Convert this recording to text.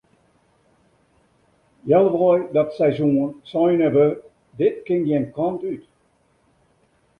Healwei dat seizoen seinen we dit kin gjin kant út.